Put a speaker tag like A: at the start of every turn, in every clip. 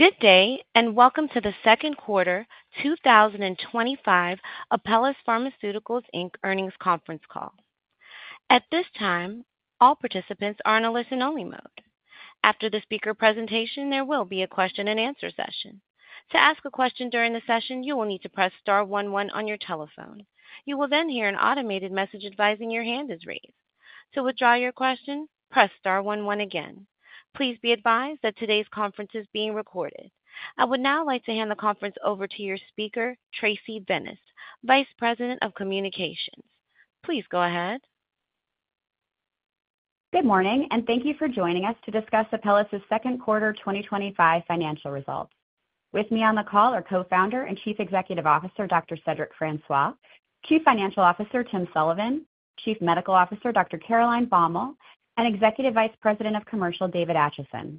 A: Good day and welcome to the second quarter 2025 Apellis Pharmaceuticals Inc earnings conference call. At this time, all participants are in. A listen-only mode. After the speaker presentation, there will be a question and answer session. To ask a question during the session, you will need to press star one one on your telephone. You will then hear an automated message advising your hand is raised. To withdraw your question, press star one one again. Please be advised that today's conference is being recorded. I would now like to hand the conference over to your speaker, Tracy Vineis, Vice President of Communications. Please go ahead.
B: Good morning and thank you for joining us to discuss Apellis' second quarter 2025 financial results. With me on the call are Co-Founder and Chief Executive Officer Dr. Cedric Francois, Chief Financial Officer Tim Sullivan, Chief Medical Officer Dr. Caroline Baumal, and Executive Vice President of Commercial David Acheson.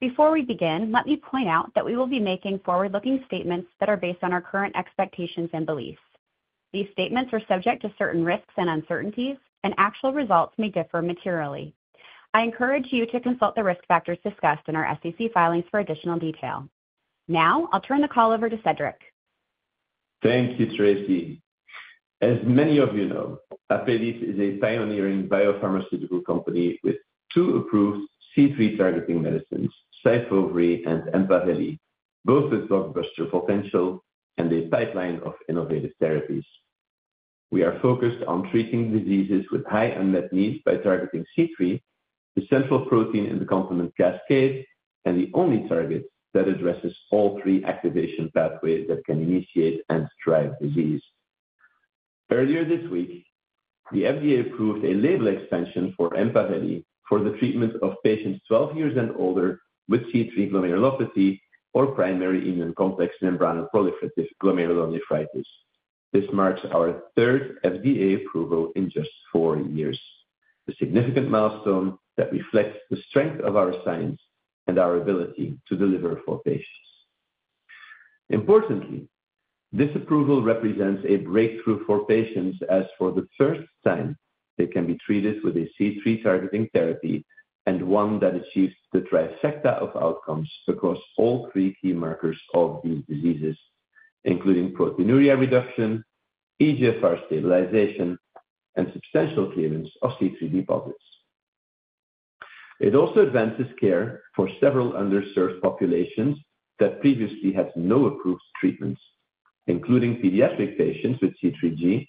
B: Before we begin, let me point out that we will be making forward-looking statements that are based on our current expectations and beliefs. These statements are subject to certain risks and uncertainties, and actual results may differ materially. I encourage you to consult the risk factors discussed in our SEC filings for additional detail. Now I'll turn the call over to Cedric.
C: Thank you Tracy. As many of you know, Apellis is a pioneering biopharmaceutical company with two approved C3 targeting medicines, SYFOVRE and EMPAVELI, both with blockbuster potential, and a pipeline of innovative therapies. We are focused on treating diseases with high unmet needs by targeting C3, the central protein in the complement cascade and the only target that addresses all three activation pathways that can initiate and drive disease. Earlier this week, the FDA approved a label extension for EMPAVELI for the treatment of patients 12 years and older with C3 glomerulopathy or primary immune complex membranoproliferative glomerulonephritis. This marks our third FDA approval in just four years, a significant milestone that reflects the strength of our science and our ability to deliver for patients. Importantly, this approval represents a breakthrough for patients as for the first time they can be treated with a C3 targeting therapy and one that achieves the trifecta of outcomes across all three key markers of these diseases, including proteinuria reduction, eGFR stabilization, and substantial clearance of C3 deposits. It also advances care for several underserved populations that previously had no approved treatments, including pediatric patients with C3G,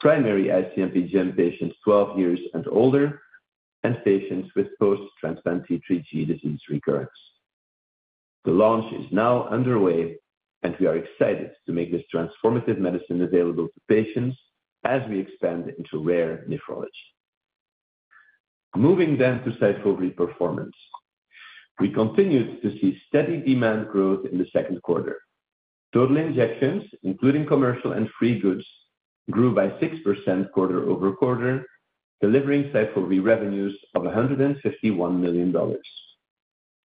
C: primary IC-MPGN patients 12 years and older, and patients with post-transplant C3G disease recurrence. The launch is now underway and we are excited to make this transformative medicine aVALEable to patients as we expand into rare nephrology. Moving then to SYFOVRE performance, we continued to see steady demand growth in the second quarter. Total injections, including commercial and free goods, grew by 6% quarter-over-quarter, delivering SYFOVRE revenues of $151 million.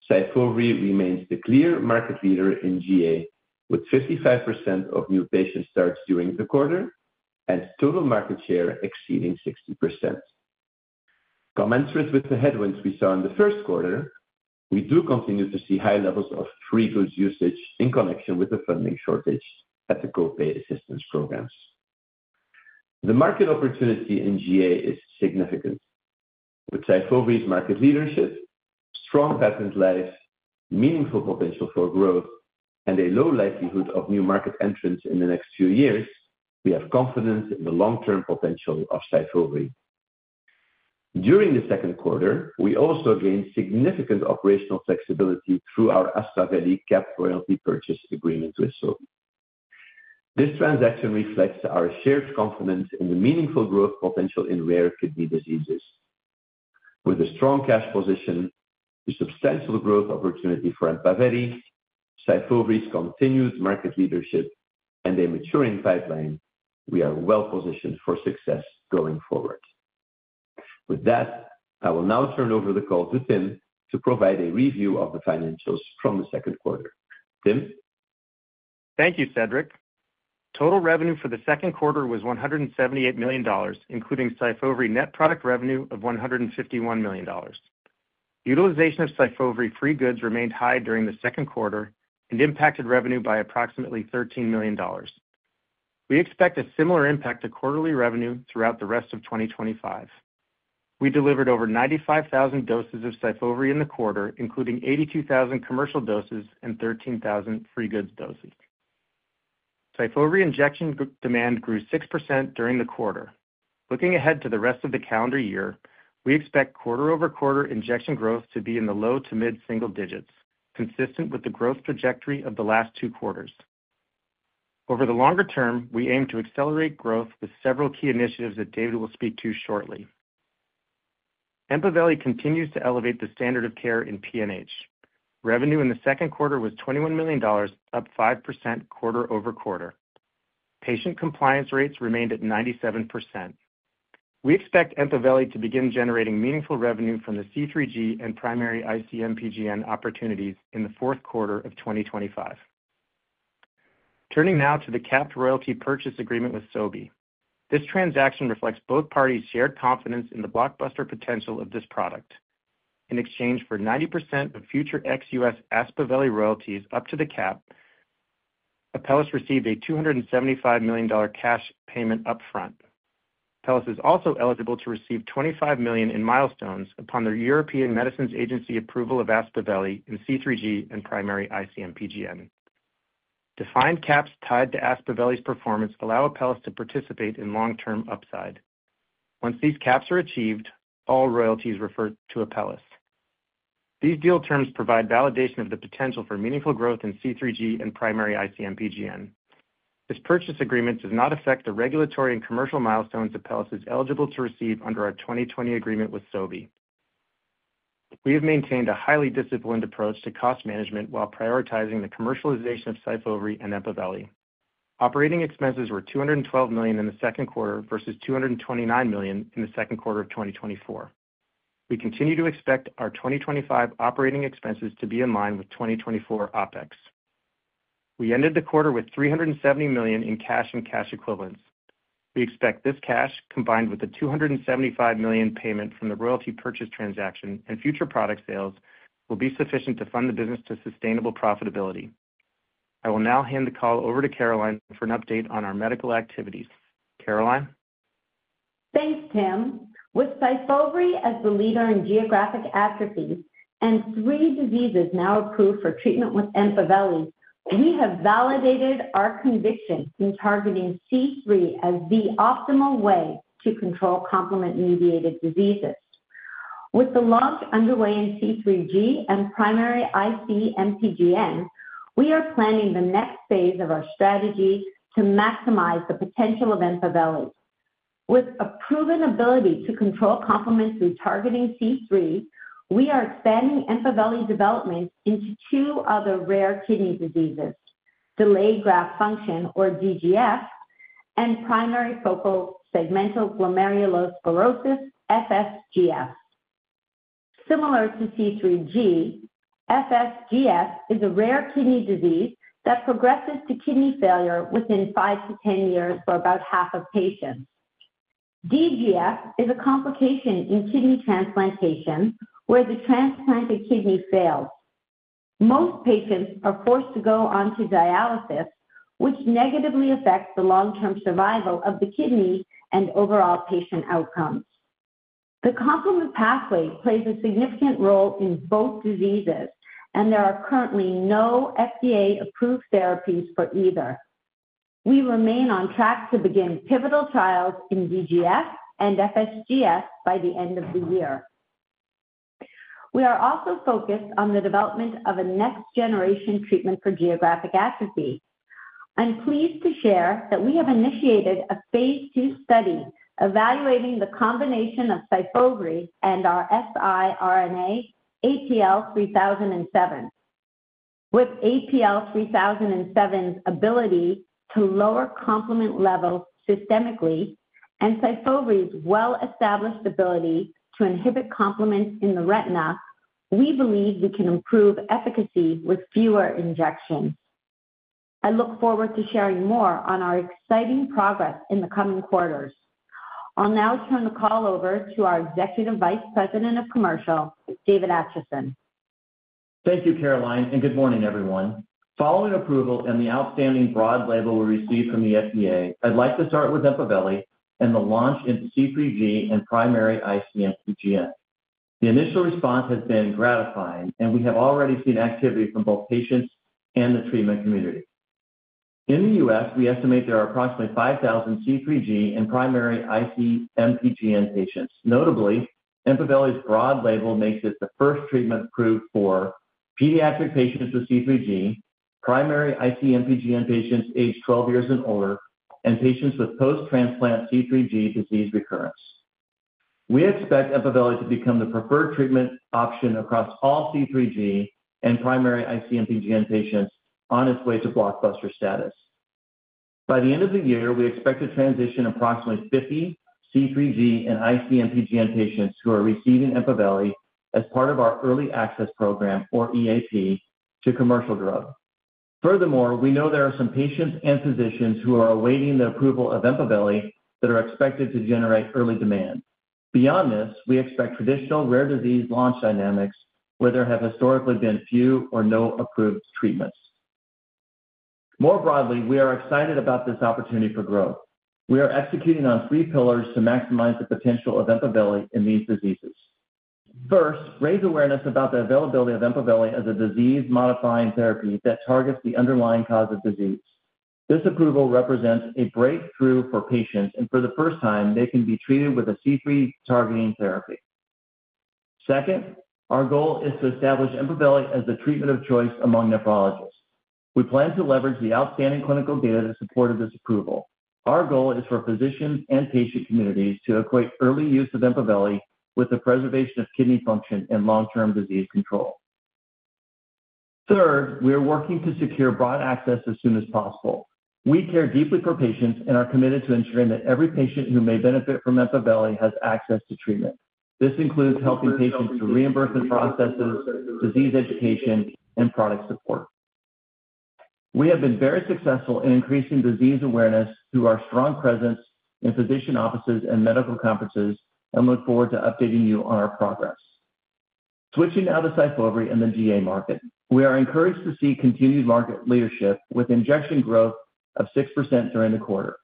C: SYFOVRE remains the clear market leader in GA with 55% of new patient starts during the quarter and total market share exceeding 60%. Commensurate with the headwinds we saw in the first quarter, we do continue to see high levels of free goods usage in connection with the funding shortage at the third-party copay assistance programs. The market opportunity in GA is significant. With SYFOVRE's market leadership, strong patent life, meaningful potential for growth, and a low likelihood of new market entrants in the next few years, we have confidence in the long-term potential of SYFOVRE. During the second quarter, we also gained significant operational flexibility through our Aspaveli cap royalty purchase agreement with Sobi. This transaction reflects our shared confidence in the meaningful growth potential in rare kidney diseases. With a strong cash position, a substantial growth opportunity for EMPAVELI, SYFOVRE's continued market leadership, and a maturing pipeline, we are well positioned for success going forward. With that, I will now turn over the call to Tim to provide a review of the financials from the second quarter. Tim.
D: Thank you Cedric. Total revenue for the second quarter was $178 million, including SYFOVRE net product revenue of $151 million. Utilization of SYFOVRE free goods remained high during the second quarter and impacted revenue by approximately $13 million. We expect a similar impact to quarterly revenue throughout the rest of 2025. We delivered over 95,000 doses of SYFOVRE in the quarter, including 82,000 commercial doses and 13,000 free goods doses. SYFOVRE injection demand grew 6% during the quarter. Looking ahead to the rest of the calendar year, we expect quarter-over-quarter injection growth to be in the low to mid single digits, consistent with the. Growth trajectory of the last two quarters. Over the longer term, we aim to accelerate growth with several key initiatives. Dave will speak to shortly. EMPAVELI continues to elevate the standard of care in PNH. Revenue in the second quarter was $21 million, up 5%. quarter-over-quarter patient compliance rates remained at 97%. We expect EMPAVELI to begin generating meaningful revenue from the C3G and primary IC-MPGN opportunities in the fourth quarter of 2025. Turning now to the capped royalty purchase agreement with Sobi. This transaction reflects both parties' shared confidence in the blockbuster potential of this product. In exchange for 90% of future ex-US Aspaveli royalties up to the cap, Apellis received a $275 million cash payment up front. Apellis is also eligible to receive $25 million in milestones upon the European Medicines Agency approval of Aspaveli in C3G and primary IC-MPGN. Defined caps tied to Aspaveli's performance allow Apellis to participate in long term upside. Once these caps are achieved, all royalties revert to Apellis. These deal terms provide validation of the potential for meaningful growth in C3G and primary IC-MPGN. This purchase agreement does not affect the regulatory and commercial milestones that Apellis is eligible to receive. Under our 2020 agreement with Sobi, we have maintained a highly disciplined approach to cost management while prioritizing the commercialization of SYFOVRE and EMPAVELI. Operating expenses were $212 million in the second quarter versus $229 million in the second quarter of 2024. We continue to expect our 2025 operating expenses to be in line with 2024 OpEx. We ended the quarter with $370 million in cash and cash equivalents. We expect this cash, combined with the $275 million payment from the royalty purchase transaction and future product sales, will be sufficient to fund the business to sustainable profitability. I will now hand the call over to Caroline for an update on our medical activities. Caroline.
E: Thanks Tim. With SYFOVRE as the leader in geographic atrophy and three diseases now approved for treatment with EMPAVELI, we have validated our conviction in targeting C3 as the optimal way to control complement-mediated diseases. With the launch underway in C3G and primary immune complex membranoproliferative IC-MPGN, we are planning the next phase of our strategy to maximize the potential of EMPAVELI. With a proven ability to control complement through targeting C3, we are expanding EMPAVELI development into two other rare kidney diseases: delayed graft function or DGF and primary focal segmental glomerulosclerosis, FSGS. Similar to C3G, FSGS is a rare kidney disease that progresses to kidney failure within five to 10 years for most patients. DGF is a complication in kidney transplantation where the transplanted kidney fails. Most patients are forced to go onto dialysis, which negatively affects the long-term survival of the kidney and overall patient outcomes. The complement pathway plays a significant role in both diseases, and there are currently no FDA-approved therapies for either. We remain on track to begin pivotal trials in DGF and FSGS by the end of the year. We are also focused on the development of a next-generation treatment for geographic atrophy. I'm pleased to share that we have initiated a Phase two study evaluating the combination of SYFOVRE and our siRNA APL-3007. With APL-3007's ability to lower complement levels systemically and SYFOVRE's well-established ability to inhibit complement in the retina, we believe we can improve efficacy with fewer injections. I look forward to sharing more on our exciting progress in the coming quarters. I'll now turn the call over to our Executive Vice President of Commercial, David Acheson.
F: Thank you, Caroline, and good morning, everyone. Following approval and the outstanding broad label we received from the FDA, I'd like to start with EMPAVELI and the launch into C3G and primary IC-MPGN. The initial response has been gratifying, and we have already seen activity from both patients and the treatment community. In the U.S., we estimate there are approximately 5,000 C3G and primary IC-MPGN patients. Notably, EMPAVELI's broad label makes it the first treatment approved for pediatric patients with C3G, primary IC-MPGN patients aged 12 years and older, and patients with post-transplant C3G disease recurrence. We expect EMPAVELI to become the preferred treatment option across all C3G and primary IC-MPGN patients on its way to blockbuster status by the end of the year. We expect to transition approximately 50 C3G and IC-MPGN patients who are receiving EMPAVELI as part of our early access program, or EAP, to commercial drug. Furthermore, we know there are some patients and physicians who are awaiting the approval of EMPAVELI that are expected to generate early demand. Beyond this, we expect traditional rare disease launch dynamics where there have historically been few or no approved treatments. More broadly, we are excited about this opportunity for growth. We are executing on three pillars to maximize the potential of EMPAVELI in these diseases. First, raise awareness about the aVALEability of EMPAVELI as a disease-modifying therapy that targets the underlying cause of disease. This approval represents a breakthrough for patients, and for the first time, they can be treated with a C3 targeting therapy. Second, our goal is to establish EMPAVELI as the treatment of choice among nephrologists. We plan to leverage the outstanding clinical data that supported this approval. Our goal is for physicians and patient communities to equate early use of EMPAVELI with the preservation of kidney function and long-term disease control. Third, we are working to secure broad access as soon as possible. We care deeply for patients and are committed to ensuring that every patient who may benefit from EMPAVELI has access to treatment. This includes helping patients through reimbursement processes, disease education, and product support. We have been very successful in increasing disease awareness through our strong presence in physician offices and medical conferences and look forward to updating you on our progress. Switching now to SYFOVRE and the GA market, we are encouraged to see continued market leadership with injection growth of 6% during the quarter.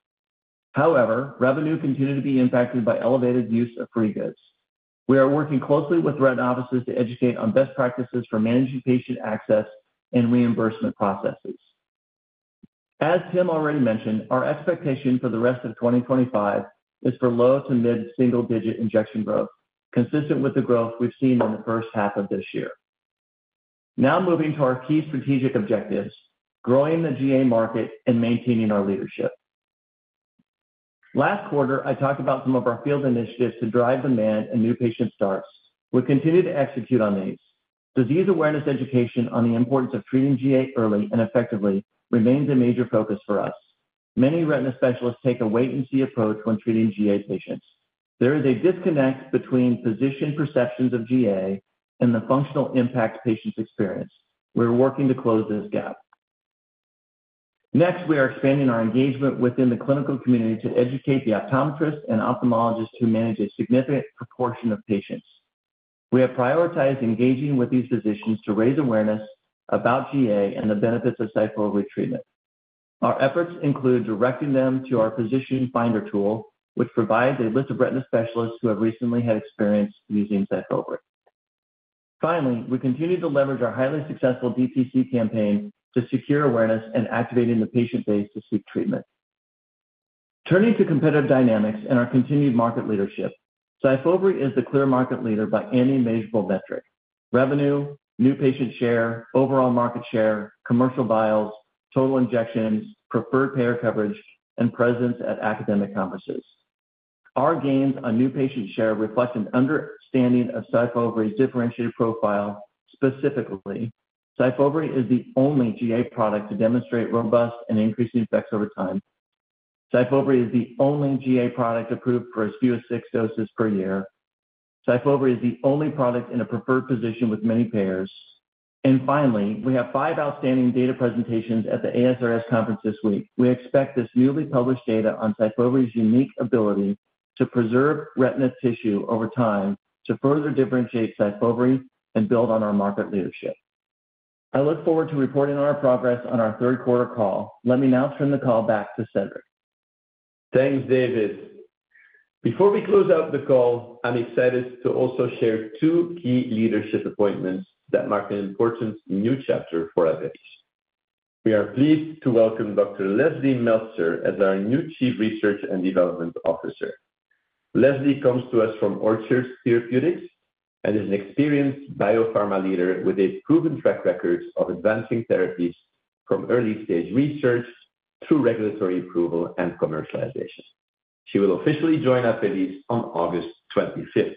F: However, revenue continued to be impacted by elevated use of free goods. We are working closely with retina offices to educate on best practices for managing patient access and reimbursement processes. As Tim already mentioned, our expectation for the rest of 2025 is for low to mid single digit injection growth, consistent with the growth we've seen in the first half of this year. Now moving to our key strategic objectives, growing the GA market and maintaining our leadership. Last quarter I talked about some of our field initiatives to drive demand and new patient starts. We continue to execute on these. Disease awareness education on the importance of treating GA early and effectively remains a major focus for us. Many retina specialists take a wait and see approach when treating GA patients. There is a disconnect between physician perceptions of GA and the functional impact patients experience. We are working to close this gap. Next, we are expanding our engagement within the clinical community to educate the optometrists and ophthalmologists who manage a significant proportion of patients. We have prioritized engaging with these physicians to raise awareness about GA and the benefits of SYFOVRE treatment. Our efforts include directing them to our Physician Finder tool, which provides a list of retina specialists who have recently had experience using SYFOVRE. Finally, we continue to leverage our highly successful direct-to-consumer campaign to secure awareness and activate the patient base to seek treatment. Turning to competitive dynamics and our continued market leadership, SYFOVRE is the clear market leader by any measurable metric: revenue, new patient share, overall market share, commercial vials, total injections, preferred payer coverage, and presence at academic conferences. Our gains on new patient share reflect an understanding of SYFOVRE's differentiated profile. Specifically, SYFOVRE is the only GA product to demonstrate robust and increasing effects over time. SYFOVRE is the only GA product approved for as few as six doses per year. SYFOVRE is the only product in a preferred position with many payers, and finally, we have five outstanding data presentations at the ASRS conference this week. We expect this newly published data on SYFOVRE's unique ability to preserve retina tissue over time to further differentiate SYFOVRE and build on our market leadership. I look forward to reporting on our progress on our third quarter call. Let me now turn the call back to Cedric.
C: Thanks, David. Before we close up the call, I'm excited to also share two key leadership appointments that mark an important new chapter for Apellis. We are pleased to welcomes Dr. Leslie Meltzer as our new Chief Research and Development Officer. Leslie comes to us from Orchard Therapeutics and is an experienced biopharma leader with a proven track record of advancing therapies from early stage research through regulatory approval and commercialization. She will officially join Apellis on August 25th.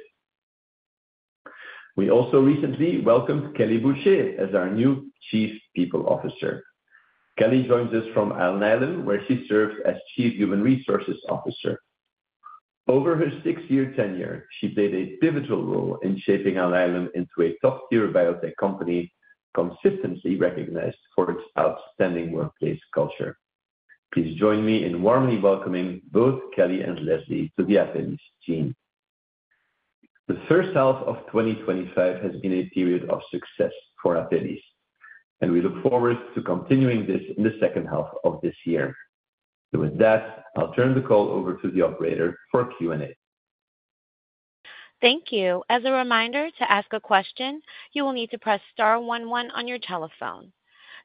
C: We also recently welcomed Kelley Boucher as our new Chief People Officer. Kelley joins us from Alnylam where she served as Chief Human Resources Officer. Over her six-year tenure, she played a pivotal role in shaping Alnylam into a top-tier biotech company consistently recognized for its outstanding workplace culture. Please join me in warmly welcoming both Kelley and Leslie to the Apellis team. The first half of 2025 has been a period of success for Apellis and we look forward to continuing this in the second half of this year. With that, I'll turn the call over to the operator for Q&A.
A: Thank you. As a reminder to ask a question, you will need to press star one one on your telephone.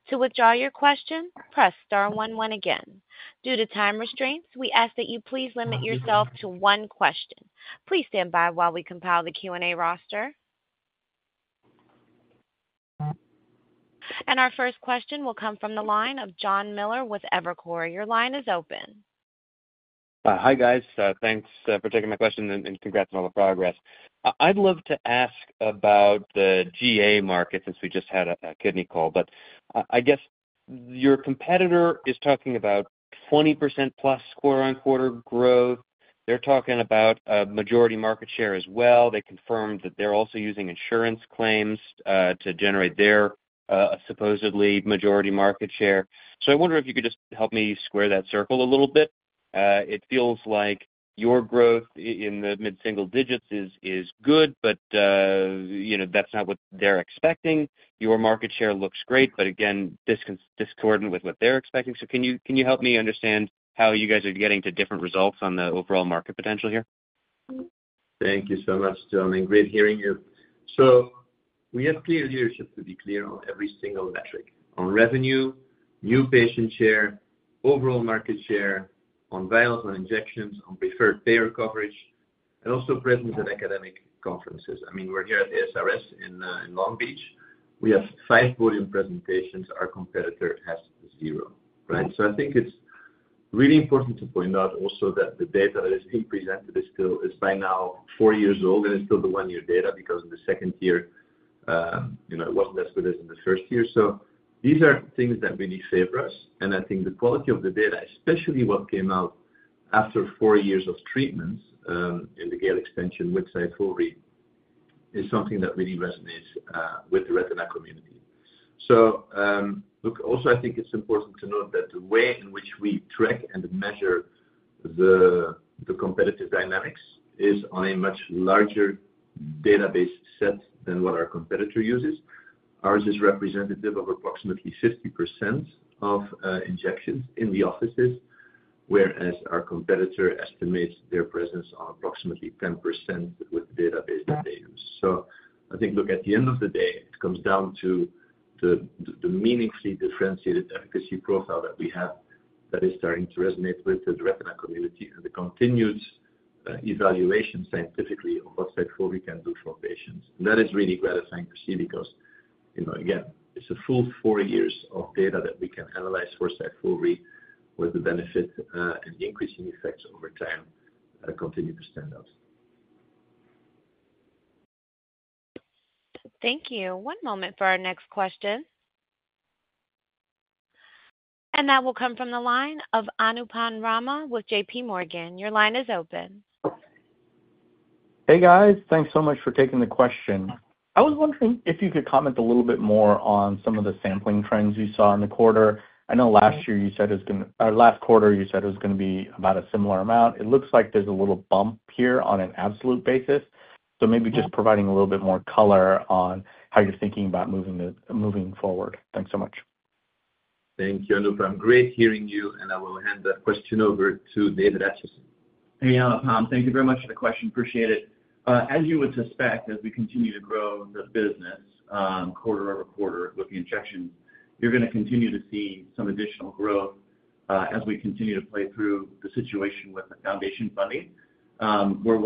A: To withdraw your question, press star one one again. Due to time restraints, we ask that you please limit yourself to one question. Please stand by while we compile the Q&A roster. Our first question will come from the line of John Miller with Evercore. Your line is open.
G: Hi guys. Thanks for taking my question and congrats on all the progress. I'd love to ask about the GA market since we just had a kidney call, but I guess your competitor is. Talking about 20%+ quarter-on-quarter growth. They're talking about a majority market share as well. They confirmed that they're also using insurance. Claims to generate their supposedly majority market share. I wonder if you could just. Help me square that circle a little bit. It feels like your growth in the. Mid single digits is good, but that's. Not what they're expecting. Your market share looks great, yet again discordant with what they're expecting. Can you help me understand how. You guys are getting to different results. On the overall market potential here?
C: Thank you so much, John, and great. Hearing you, we have clear leadership. To be clear on every single metric on revenue, new patient share, overall market share, on vials, on injections, on preferred payer coverage, and also presence at academic conferences. I mean we're here at ASRS. In Long Beach, we have five podium presentations, our competitor has zero. I think it's really important to point out also that the data that is being presented is by now four years old and it's still the one year data because in the second year, you know, it wasn't as good as in the first year. These are things that really favor us. I think the quality of the data, especially what came out after four years of treatments in the GALE Extension, is something that really resonates with the retina community. I think it's important to. Note that the way in which we. Track and measure the competitive dynamics is on a much larger database set than what our competitor uses. Ours is representative of approximately 50% of injections in the offices, whereas our competitor estimates their presence on approximately 10% with the database that they use. I think, look, at the end. of the day, it comes down to. The meaningfully differentiated efficacy profile that we have that is starting to resonate with the retina community and continued evaluation scientifically of what SYFOVRE can do for patients. That is really gratifying to see because again it's a full four years of data that we can analyze for SYFOVRE, with the benefit and the increasing effects over time continue to stand out.
A: Thank you. One moment for our next question. That will come from the line of Anupam Rama with JPMorgan. Your line is open.
H: Hey guys, thanks so much for taking the question. I was wondering if you could comment a little bit more on some of the sampling trends you saw in the quarter. I know last year you said it was going to last quarter. It was going to be about a similar amount. It looks like there's a little bump. Here on an absolute basis. Maybe just providing a little bit. More color on how you're thinking about moving forward. Thanks so much.
C: Thank you, Anupam, great hearing you. I will hand the question over to David Acheson.
F: Hey, thank you very much for the question. Appreciate it. As you would suspect, as we continue to grow the business quarter-over-quarter with the injections, you're going to continue to see some additional growth as we continue to play through the situation with the foundation funding where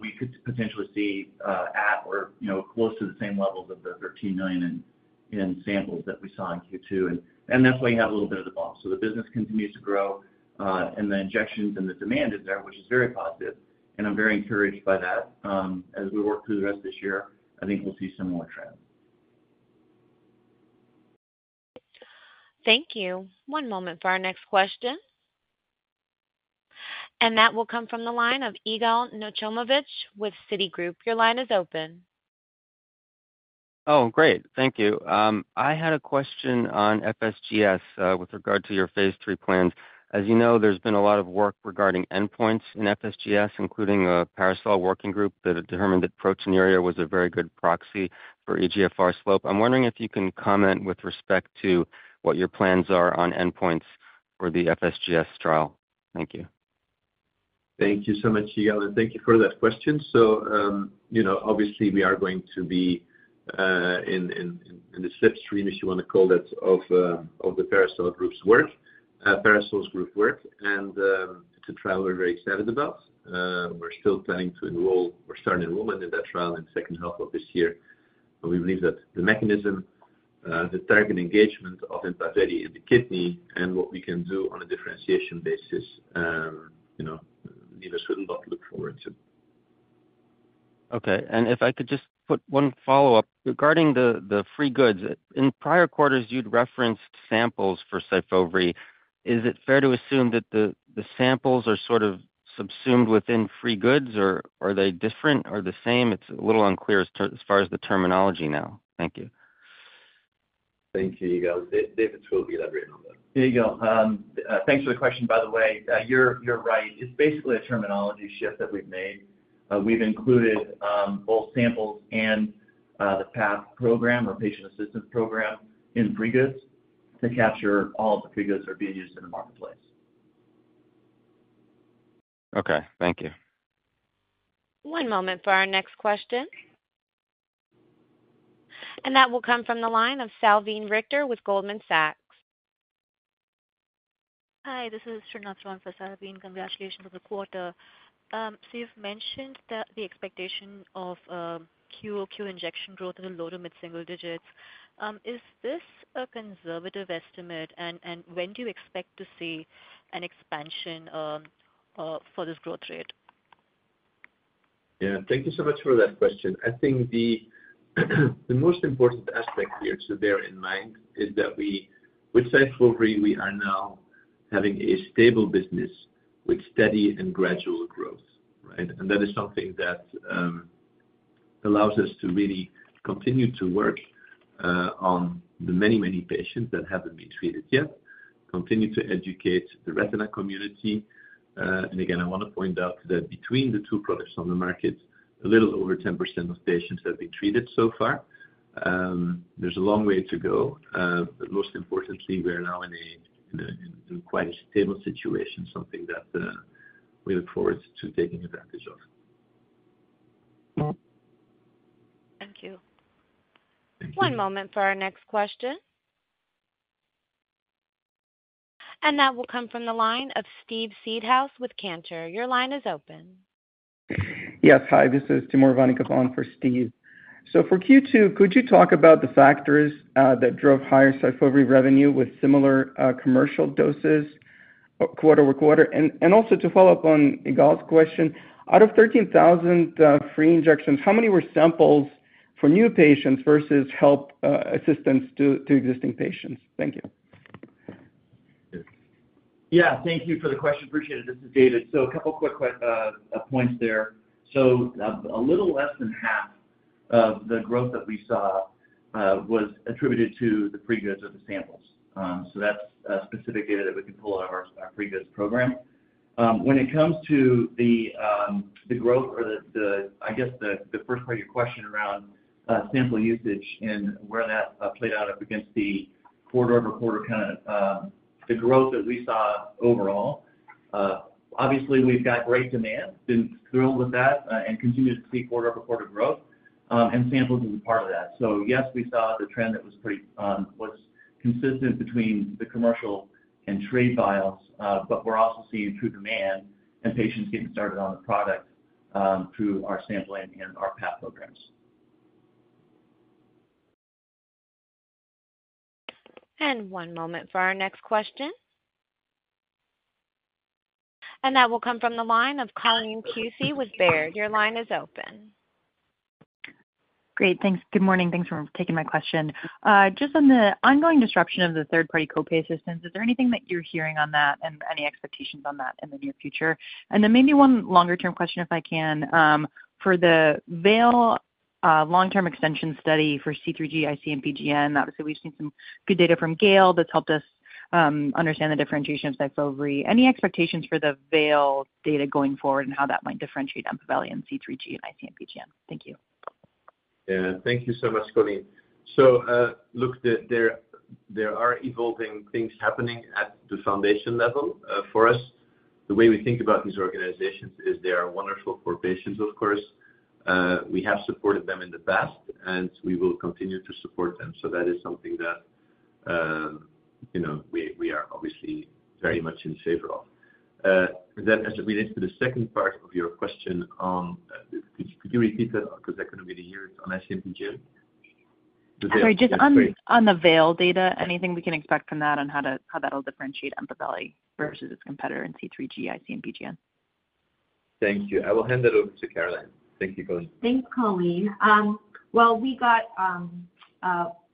F: we could potentially see at or close to the same levels of the $13 million in samples that we saw in Q2. That's why you have a little. Bit of the bump. The business continues to grow and the injections and the demand is there, which is very positive and I'm very encouraged by that. As we work through the rest of. This year, I think we'll see similar trends.
A: Thank you. One moment for our next question. That will come from the line of Yigal Nochomovitz with Citigroup. Your line is open.
I: Great. Thank you. I had a question on FSGS with regard to your phase three plans. As you know, there's been a lot. Of work regarding endpoints in FSGS, including a Paracel working group that determined that proteinuria was a very good proxy for eGFR slope. I'm wondering if you can comment with respect to what your plans are on endpoints for the FSGS trial. Thank you.
C: Thank you so much, Yigal. Thank you for that question. Obviously, we are going to be in the slipstream, if you want to call it, of the Parasol group's work, Parasol group's work. It's a trial we're very excited about. We're still planning to enroll or start enrollment in that trial in the second half of this year. We believe that the mechanism, the target engagement of EMPAVELI in the kidney and what we can do on a differentiation basis, leaders should not look forward to.
I: Okay, and if I could just put one follow up. Regarding the free goods. In prior quarters you'd referenced samples for SYFOVRE. Is it fair to assume that the samples are sort of subsumed within free goods or are they different or the same? It's a little unclear as far as the terminology now. Thank you.
C: Thank you. Yigal. David will elaborate on that.
F: Yigal, thanks for the question. By the way, you're right. It's basically a terminology shift that we've made. We've included both samples and the PAP program or patient assistance program in free goods to capture all the free goods that are being used in the marketplace.
I: Okay, thank you.
A: One moment for our next question. That will come from the line of Salveen Richter with Goldman Sachs. Hi, this is Srinathran for Salveen. Congratulations on the quarter. You've mentioned that the expectation of QoQ injection growth in the low to mid single digits. Is this a conservative estimate? When do you expect to see an expansion for this growth rate?
C: Thank you so much for that question. I think the most important aspect here to bear in mind is that with SYFOVRE we are now having a stable business with steady and gradual growth. That is something that allows us to really continue to work on the many, many patients that haven't been treated yet, continue to educate the retina community. Again, I want to point out that between the two products on the market, a little over 10% of patients have been treated so far. There's a long way to go. Most importantly, we're now in quite a stable situation, something that we look forward to taking advantage of. Thank you.
A: One moment for our next question, and that will come from the line of Steve Seedhouse with Cantor. Your line is open.
J: Yes, hi, this is Timur Ivannikov on for Steve. For Q2, could you talk about. The factors that drove higher SYFOVRE revenue with similar commercial doses quarter-over-quarter. To follow up on Yigal's. Question, out of 13,000 free injections, how. many were samples for new patients versus help assistance to existing patients? Thank you.
F: Yeah, thank you for the question. Appreciate it. This is David. A couple quick points there. A little less than half of the growth that we saw was attributed to the free goods of the samples. That's specific data that we can pull out of our free goods program when it comes to the growth or the first part of your question around sample usage and where that played out up against the quarter-over-quarter kind of the growth that we saw overall. Obviously we've got great demand, been thrilled with that and continue to see quarter-over-quarter growth and samples is a part of that. Yes, we saw the trend that was consistent between the commercial and trade vials. We're also seeing true demand and patients getting started on the product through our sampling and PAP programs.
A: One moment for our next question. That will come from the line of Colleen Kusy with Baird. Your line is open.
K: Great, thanks. Good morning. Thanks for taking my question. Just on the ongoing disruption of the third-party copay assistance, is there anything that you're hearing on that and any expectations on that in the near future? Maybe one longer term question if I can for the VALE long term extension study for C3G, IC-MPGN, obviously we've seen some good data from GA that's helped us understand the differentiation of SYFOVRE. Any expectations for the VALE data going forward and how that might differentiate EMPAVELI in C3G and IC-MPGN. Thank you.
C: Thank you so much, Colleen. There are evolving things happening at the foundation level for us. The way we think about these organizations is they are wonderful for patients. Of course, we have supported them in the past and we will continue to support them. That is something that we are obviously very much in favor of. As it relates to the second part of your question, could you repeat that? Because that couldn't be the year on IC-MPGN.
K: Sorry, just on the VALE data, anything we can expect from that on how that will differentiate EMPAVELI versus its competitor C3G and IC-MPGN.
C: Thank you. I will hand it over to Caroline. Thank you, Colleen.
E: Thanks, Colleen.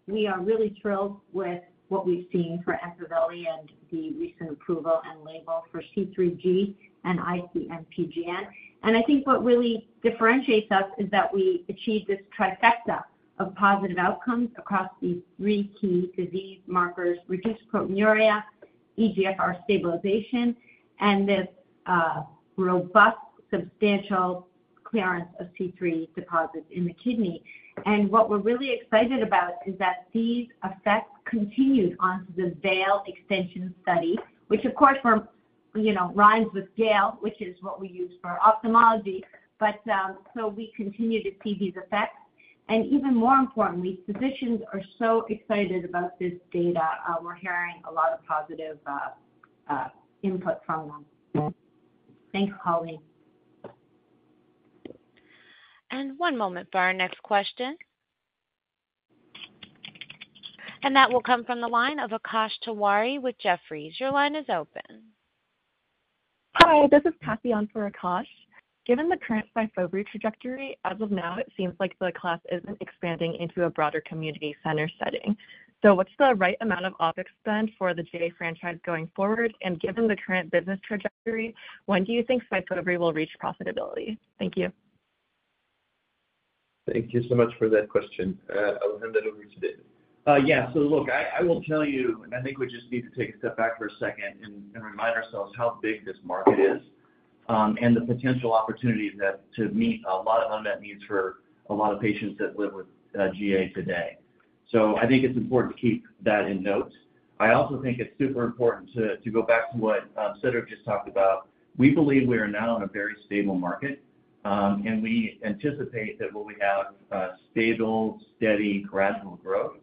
E: We are really thrilled with what we've seen for EMPAVELI and the recent approval and label for C3G and IC-MPGN. I think what really differentiates us is that we achieved this trifecta of positive outcomes across these three key disease markers: reduced proteinuria, eGFR stabilization, and this robust, substantial clearance of C3 deposits in the kidney. What we're really excited about is that these effects continued onto the label extension study, which of course rhymes with GALE, which is what we use for ophthalmology. We continue to see these effects. Even more importantly, physicians are so excited about this data, we're hearing a lot of positive input from them. Thanks, Colleen.
A: One moment for our next question. That will come from the line of Akash Tiwari with Jefferies. Your line is open. Hi, this is Tassian for Akash. Given the current SYFOVRE trajectory as of now, it seems like the class isn't expanding into a broader community center setting. What's the right amount of OpEx spend for the GA franchise going forward? Given the current business trajectory, when do you think SYFOVRE will reach profitability? Thank you.
C: Thank you so much for that question. I'll hand it over to David.
F: Yeah, I will tell you, I think we just need to take a step back for a second and remind ourselves how big this market is and the potential opportunities to meet a lot of unmet needs for a lot of patients that live with GA today. I think it's important to keep that in note. I also think it's super important to go back to what Cedric just talked about. We believe we are now in a very stable market. We anticipate that when we have stable, steady correctional growth.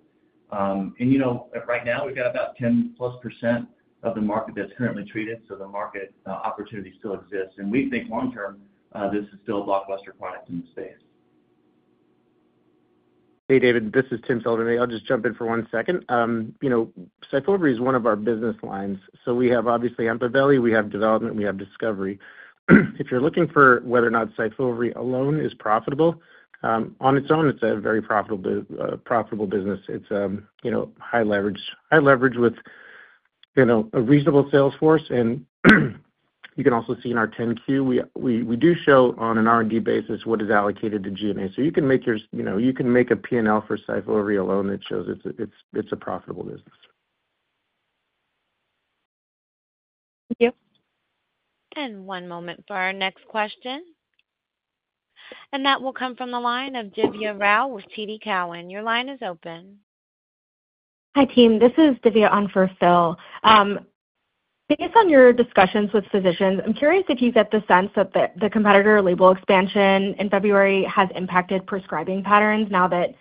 F: Right now we've got about 10% of the market that's currently treated. The market opportunity still exists and we think long term this is still a blockbuster product in the space.
D: Hey David, this is Tim Sullivan. I'll just jump in for one second. You know SYFOVRE is one of our business lines. We have obviously EMPAVELI, we have development, we have discovery. If you're looking for whether or not SYFOVRE alone is profitable on its own, it's a very profitable business. It's high leverage with a reasonable sales force. You can also see in our 10-Q we do show on an R&D basis what is allocated to G&A. You can make yours. You can make a P&L for SYFOVRE alone. That shows it's a profitable business.
A: Yes. One moment for our next question. That will come from the line of Divya Rao with TD Cowen. Your line is open.
L: Hi team, this is Divya on for Phil. Based on your discussions with physicians, I'm curious if you get the sense that the competitor label expansion in February has impacted prescribing patterns. Now that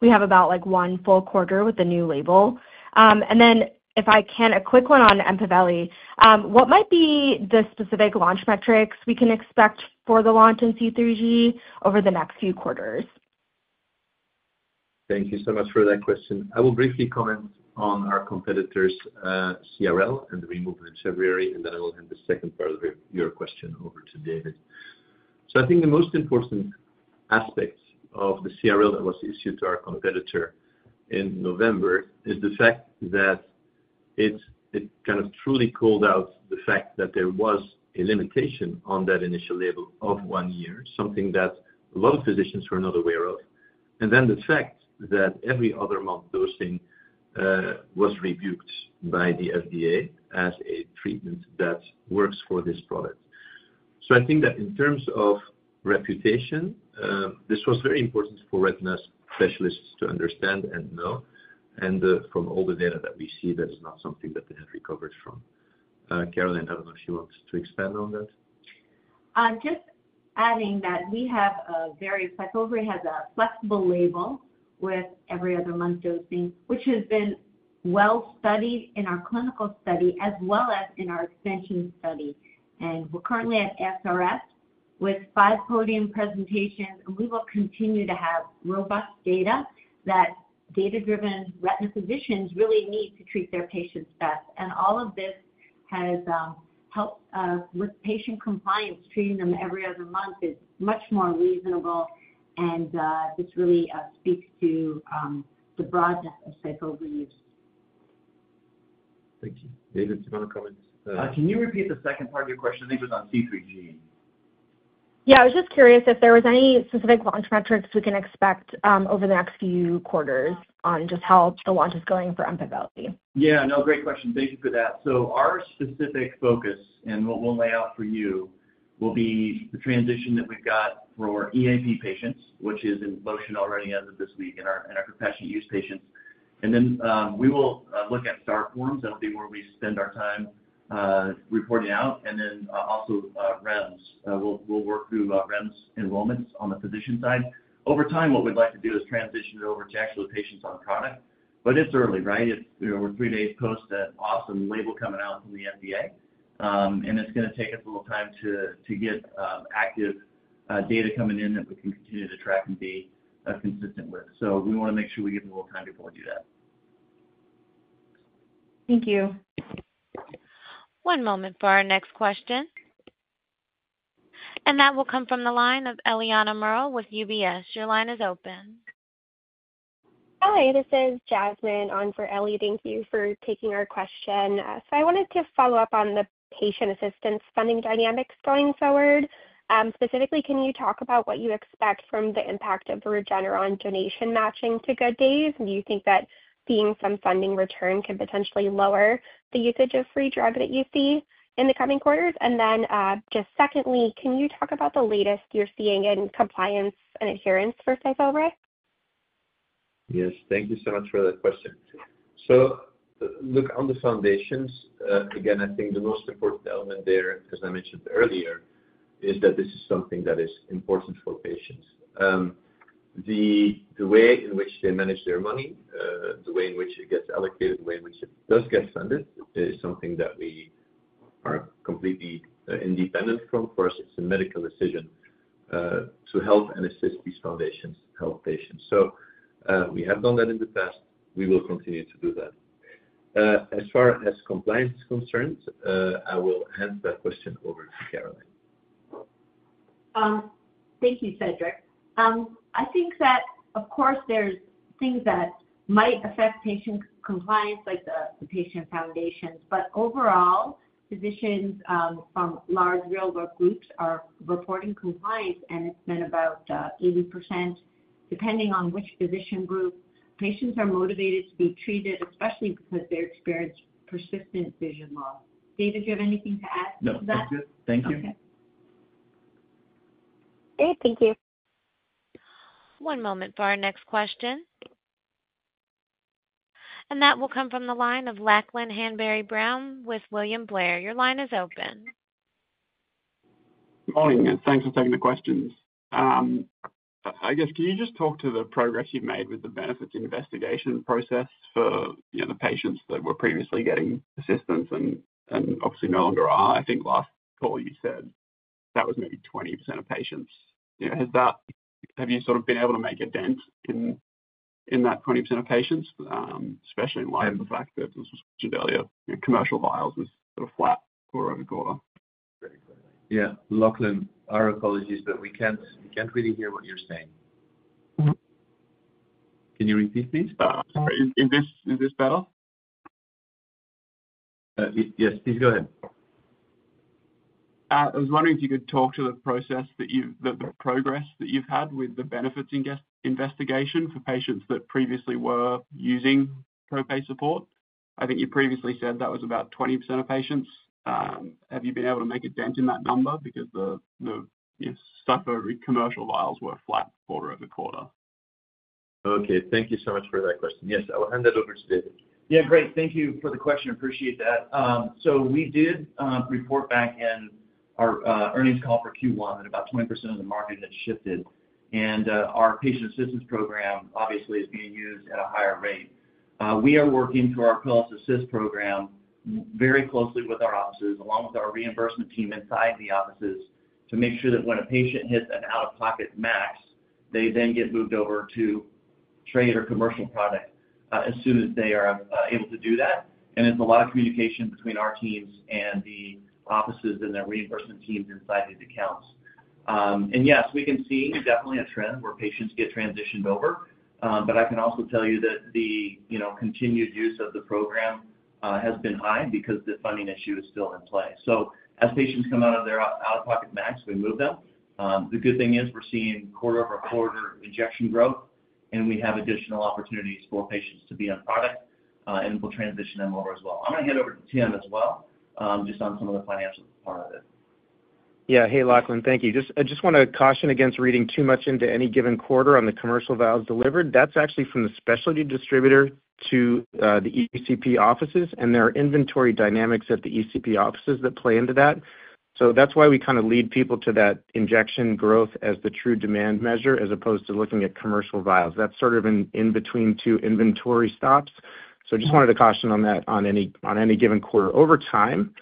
L: we have about one full quarter with the new label, and then if I can, a quick one on EMPAVELI, what might be the specific launch metrics we can expect for the launch in C3G over the next few quarters.
C: Thank you so much for that question. I will briefly comment on our competitor's CRL and the removal in February, and then I will hand the second part of your question over to David. I think the most important aspect of the CRL that was issued to our competitor in November is the fact that it truly called out the fact that there was a limitation on that initial label of one year, something that a lot of physicians. We're not aware of. The fact that every other month dosing was rebuked by the FDA as a treatment that works for this product is very important for retina specialists to understand and know. From all the data that we see, that is not something that they had recovered from. Caroline, I don't know if you want to expand on that.
E: Just adding that we have SYFOVRE has a flexible label with every other month dosing, which has been well studied in our clinical study as well as in our extension study. We are currently at ASRS with five podium presentations, and we will continue to have robust data that data-driven retina physicians really need to treat their patients best. All of this has helped with patient compliance. Treating them every other month is much more reasonable. This really speaks to the broadness of SYFOVRE use.
C: Thank you. David, if you want to comment, you can.
F: You repeat the second part of your question? I think it was on C3G.
L: Yeah, I was just curious if there was any specific launch metrics we can expect over the next few quarters on just how the launch is going for EMPAVELI.
F: Yeah, no, great question. Basically that. Our specific focus and what we'll lay out for you will be the transition that we've got for EAP patients, which is in motion already as of this week, and our compassionate use patients. We will look at TAR forms that will be where we spend our time reporting out. Also, we'll work through REMS enrollments on the physician side over time. What we'd like to do is transition it over to actual patients on product. It's early, right? We're three days post an awesome label coming out from the FDA, and it's going to take us a little time to get active data coming in that we can continue to track and be consistent with. We want to make sure we give them a little time before we do that.
A: Thank you. One moment for our next question, and that will come from the line of Eliana Murrell with UBS. Your line is open. Hi, this is Jasmine on for Ellie. Thank you for taking our question. I wanted to follow up on the patient assistance funding dynamics going forward. Specifically, can you talk about what you expect from the impact of Regeneron donation matching to Good Days? Do you think that seeing some funding return can potentially lower the usage of free goods that you see in the coming quarters? Secondly, can you talk about the latest you're seeing in compliance and adherence for SYFOVRE?
C: Yes, thank you so much for that question. Look, on the foundations again, I think the most important element there, as I mentioned earlier, is that this is something that is important for patients. The way in which they manage their money, the way in which it gets allocated, the way in which it does get funded is something that we are completely independent from. For us, it's a medical decision to help and assist. These foundations help patients. We have done that in the past. We will continue to do that as far as compliance is concerned. I will hand that question over to Caroline.
E: Thank you, Cedric. I think that of course there's things that might affect patient compliance like the patient foundations, but overall physicians from large real work groups are reporting compliance, and it's been about 80% depending on which physician group. Patients are motivated to be treated, especially because they experience persistent vision loss. David, do you have anything to add?
F: No, thank you. Great, thank you.
A: One moment for our next question. That will come from the line of Lachlan Hanbury-Brown with William Blair. Your line is open.
M: Good morning and thanks for taking the questions. Can you just talk to the progress you've made with the benefits investigation process for the patients that were previously getting persistence and obviously no longer are? I think last call you said that. Was maybe 20% of patients. Have you sort of been able to make a dent in that 20% of patients? Especially in light of the fact that, as mentioned earlier, commercial vials was sort of flat quarter-over-quarter.
C: Yeah, Lachlan, our apologies, but we can't. Really hear what you're saying. Can you repeat please?
M: Is this better?
C: Yes, please go ahead.
M: I was wondering if you could talk to the process that you, the progress that you've had with the benefits investigation for patients that previously were using copay support. I think you previously said that. About 20% of patients. Have you been able to make a dent in that number because the stuff over commercial vials were flat quarter-over-quarter.
C: Okay, thank you so much for that question. Yes, I will hand it over to David.
F: Yeah, great. Thank you for the question. Appreciate that. We did report back in our earnings call for Q1 that about 20% of the market had shifted and our patient assistance program obviously is being used at a higher rate. We are working through our Apellis Assist program very closely with our offices along with our reimbursement team inside the offices to make sure that when a patient hits an out-of-pocket max, they then get moved over to trade or commercial product as soon as they are able to do that. It's a lot of communication between our teams and the offices and the reimbursement teams inside these accounts. Yes, we can see definitely a trend where patients get transitioned over. I can also tell you that the continued use of the program has been high because the funding issue is still in play. As patients come out of their out-of-pocket max, we move them. The good thing is we're seeing quarter-over-quarter injection growth and we have additional opportunities for patients to be on product and we'll transition them over as well. I'm going to hand over to Tim. As well, just on some of the. Financial part of it.
D: Yeah. Hey Lachlan, thank you. I just want to caution against reading too much into any given quarter on the commercial vials delivered. That's actually from the specialty distributor to the ECP offices, and there are inventory dynamics at the ECP offices that play into that. That's why we kind of lead people to that injection growth as the true demand measure as opposed to looking at commercial vials. That's sort of in between two inventory stops. I just wanted to caution on that. On any given quarter, over time,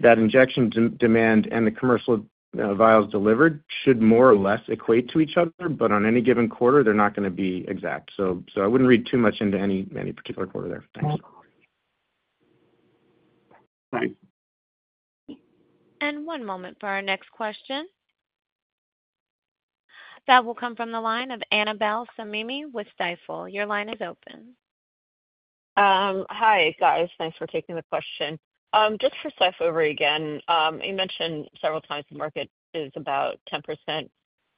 D: that injection demand and the commercial vials delivered should more or less equate to each other, but on any given quarter they're not. Going to be exact. I wouldn't read too much into any particular quarter there.
M: Thanks.
A: One moment for our next question. That will come from the line of Annabel Samimy with Stifel. Your line is open.
N: Hi guys, thanks for taking the question just for slide over again. You mentioned several times the market is about 10%.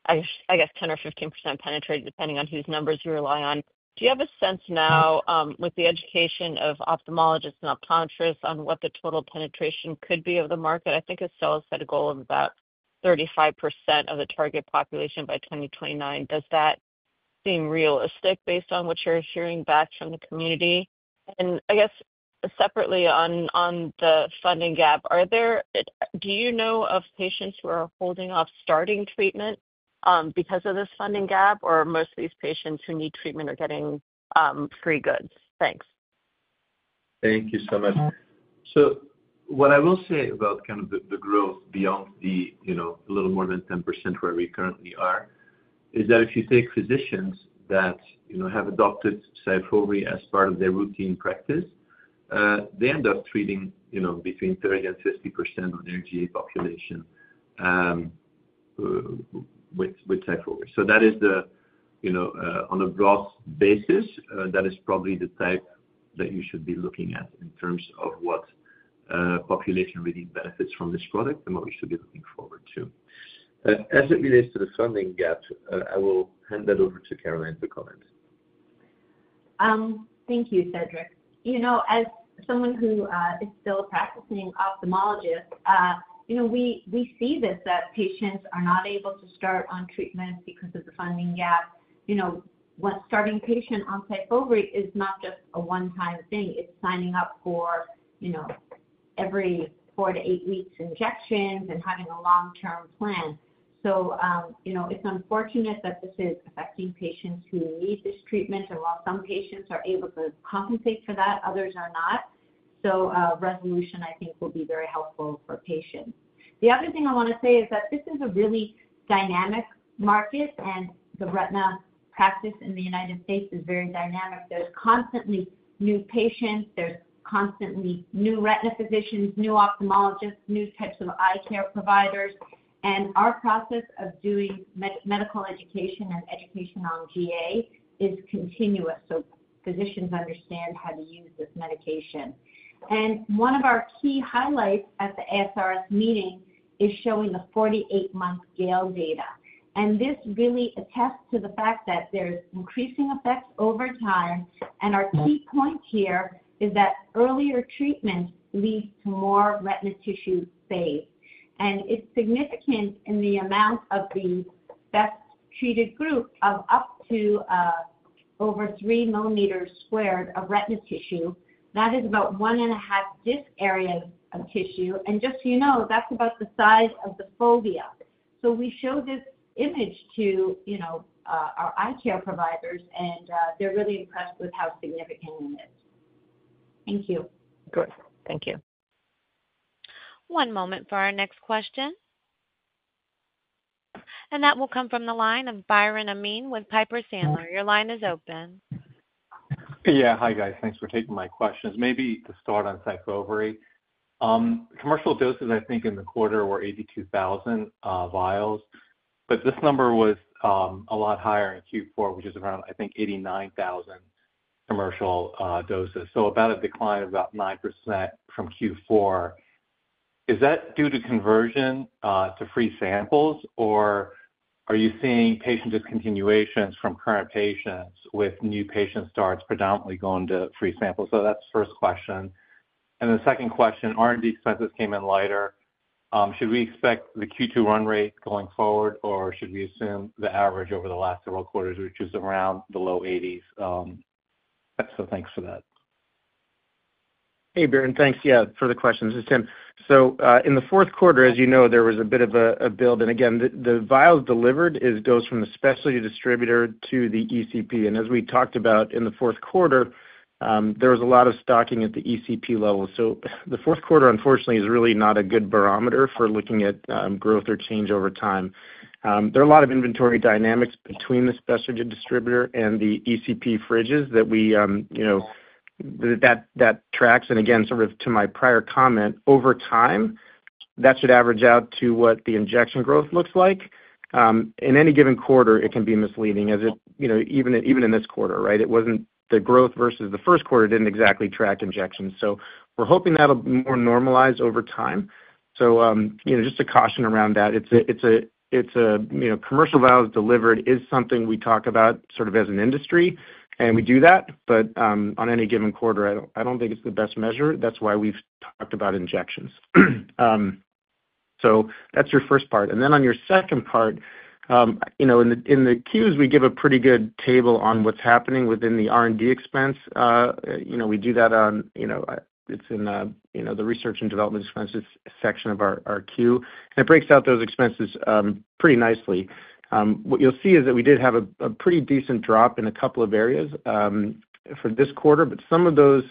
N: I guess 10% or 15% penetrated, depending on whose numbers you rely on. Do you have a sense now with the education of ophthalmologists and optometrists on what the total penetration could be of the market? I think Estelle has set a goal of about 35% of the target population by 2029. Does that seem realistic based on what you're hearing back from the community, and I guess separately on the funding gap? Do you know of patients who are holding off starting treatment because of this funding gap, or most of these patients who need treatment are getting free goods? Thanks.
C: Thank you so much. What I will say about the growth beyond the little more than 10% where we currently are is that if you take physicians that have adopted SYFOVRE as part of their routine practice, they end up treating between 30% and 50% of their GA population with SYFOVRE. On a broad basis, that is probably the type that you should be looking at in terms of what population really benefits from this product and what we should be looking forward to as it relates to the funding gap. I will hand that over to Caroline for comments.
E: Thank you, Cedric. As someone who is still a practicing ophthalmologist, we see that patients are not able to start on treatment because of the funding gap. Starting patients on SYFOVRE is not just a one time thing. It's signing up for every four to eight weeks injections and having a long term plan. It's unfortunate that this is affecting patients who need this treatment. While some patients are able to compensate for that, others are not. Resolution, I think, will be very helpful for patients. The other thing I want to say is that this is a really dynamic market and the retina practice in the United States is very dynamic. There are constantly new patients, new retina physicians, new ophthalmologists, and new types of eye care providers. Our process of doing medical education and education on GA is continuous so physicians understand how to use this medication. One of our key highlights at the ASRS meeting is showing the 48 month GALE data. This really attests to the fact that there are increasing effects over time. Our key point here is that earlier treatment leads to more retina tissue saved. It's significant in the amount of the best treated group of up to over 3mm squared of retina tissue. That is about one and a half disc areas of tissue. Just so you know, that's about the size of the fovea. We show this image to our eye care providers and they're really impressed with how significant it is. Thank you.
N: Thank you.
A: One moment for our next question. That will come from the line of Biren Amin with Piper Sandler. Your line is open.
O: Yeah. Hi, guys. Thanks for taking my questions. Maybe to start on SYFOVRE commercial doses, I think in the quarter were 82,000 vials, but this number was a lot. Higher in Q4, which is around, I. Think, 89,000 commercial doses. There was a decline of about 9% from Q4. Is that due to conversion to free goods usage, or are you seeing patient discontinuations from current patients with new patient starts? Predominantly going to free samples? That's the first question. The second question, R&D. Expenses came in lighter. Should we expect the Q2 run rate? Going forward, or should we assume the. Average over the last several quarters, which. Is around the low 80s? Thanks for that.
D: Hey Biren, and thanks for the question. This is Tim. In the fourth quarter, as you know, there was a bit of a build. The vials delivered go from the specialty distributor to the ECP. As we talked about in the fourth quarter, there was a lot of stocking at the ECP level. The fourth quarter, unfortunately, is really not a good barometer for looking at growth or change over time. There are a lot of inventory dynamics between the specialty distributor and the ECP fridges. That. Tracks. To my prior comment, over time that should average out to what the injection growth looks like in any given quarter. It can be misleading as it, you know, even in this quarter. Right. It wasn't the growth versus the first quarter didn't exactly track injections. We're hoping that'll normalize over time. Just a caution around that, commercial vials delivered is something we talk about sort of as an industry and we do that. On any given quarter, I don't think it's the best measure. That's why we've talked about injections. That's your first part, and then on your second part, in the Qs we give a pretty good table on what's happening within the R&D expense. We do that. It's in the research and development expenses section of our Q. It breaks out those expenses pretty nicely. What you'll see is that we did have a pretty decent drop in a couple of areas for this quarter. Some of those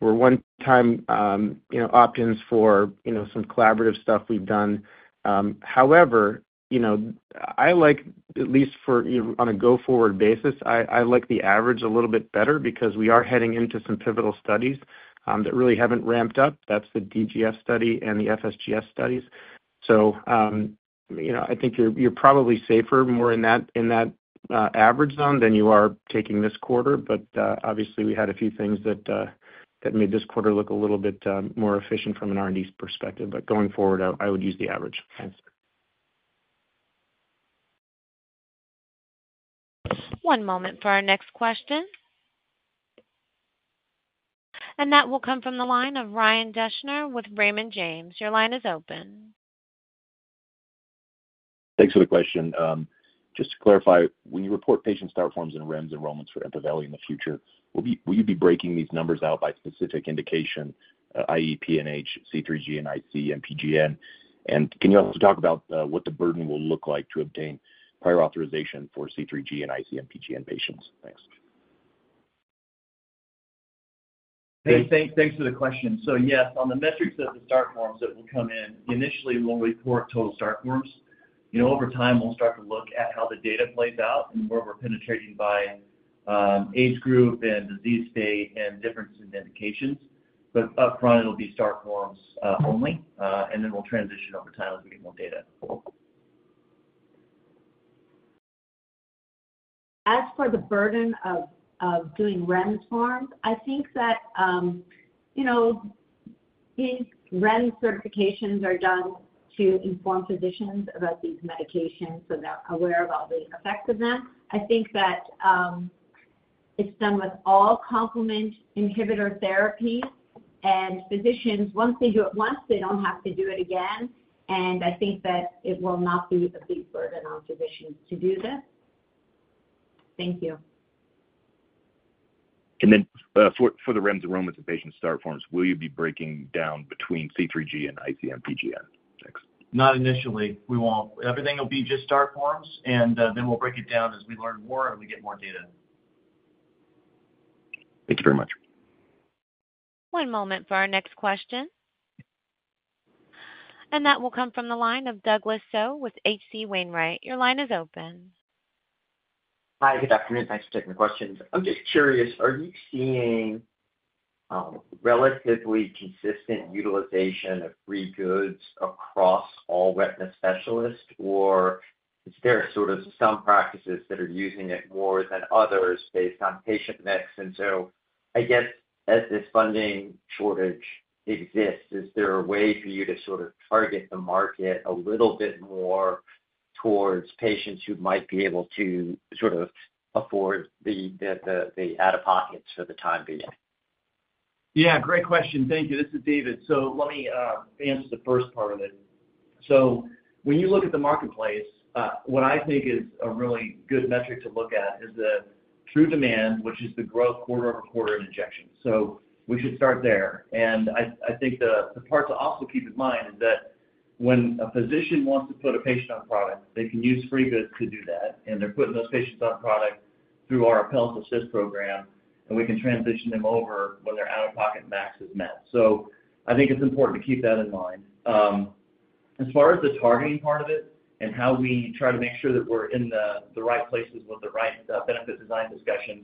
D: were one-time opt-ins for some collaborative stuff we've done. I like, at least on a go-forward basis, the average a little bit better because we are heading into some pivotal studies that really haven't ramped up. That's the DGF study and the FSGS studies. I think you're probably safer more in that average zone than you are taking this quarter. Obviously, we had a few things that made this quarter look a little bit more efficient from an R&D perspective. Going forward, I would use the. Average.
A: One moment for our next question, and that will come from the line of Ryan Deschner with Raymond James. Your line is open.
P: Thanks for the question. Just to clarify, when you report patient start forms and REMS enrollments for EMPAVELI in the future, will you be breaking these numbers out by specific indication? i.e. PNH, C3G, and IC-MPGN? Can you also talk about what the burden will look like to obtain prior authorization for C3G and IC-MPGN patients? Thanks.
F: Thanks for the question. Yes, on the metrics of the start forms that will come in initially, we'll report total start forms. Over time, we'll start to look at how the data plays out and where we're penetrating by age group and disease state and different indications. Up front, it will be start forms only, and then we'll transition over time as we get more data.
E: As for the burden of doing REMS forms, I think that these REM certifications are done to inform physicians about these medications so they're aware of all the effects of them. I think that it's done with all complement inhibitor therapy, and physicians, once they do it once, they don't have to do it again. I think that it will not be a big burden on physicians to do this. Thank you.
P: For the REMS enrollments and patient start forms, will you be breaking down between C3G and IC-MPGN?
F: Not initially, we won't. Everything will be just start forms, and then we'll break it down as we learn and we get more data.
P: Thank you very much.
A: One moment for our next question. That will come from the line of Douglas Tsao with H.C. Wainwright. Your line is open.
Q: Hi, good afternoon. Thanks for taking the questions. I'm just curious, are you seeing relatively consistent utilization of free goods across all retina specialists, or are there sort of some practices that are using it more than others based on patient mix? As this funding shortage exists, is there a way for you to sort of target the market a little bit more towards patients who. Might be able to afford. The out-of-pockets for the time being?
F: Yeah, great question. Thank you. This is David. Let me answer the first part of it. When you look at the marketplace, what I think is a really good metric to look at is the true demand, which is the growth quarter-over-quarter in injection. We should start there. I think the part to also keep in mind is that when a physician wants to put a patient on product, they can use free goods to do that. They're putting those patients on product through our Apellis Assist program and we can transition them over when their out-of-pocket max is. I think it's important to keep that in mind as far as the targeting part of it and how we try to make sure that we're in the right places with the right benefit design discussions.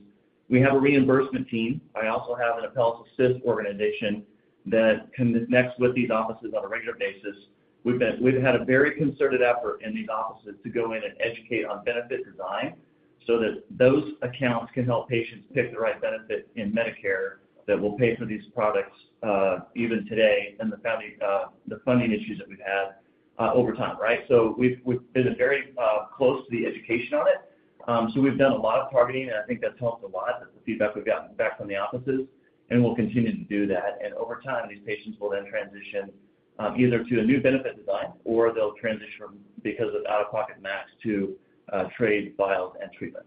F: We have a reimbursement team. I also have an Apellis Assist organization that connects with these offices on a regular basis. We've had a very concerted effort in these offices to go in and educate on benefit design so that those accounts can help patients pick the right benefit in Medicare that will pay for these products even today and the funding issues that we've had over time. We've been very close to the education on it. We've done a lot of targeting and I think that's helped a lot. The feedback we've gotten back from the offices and we'll continue to do that. Over time these patients will then transition either to a new benefit design or they'll transition because of out-of-pocket max to trade files and treatment.